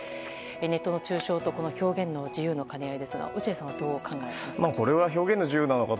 ネットの中傷と表現の自由の兼ね合いですが落合さんはどう考えますか？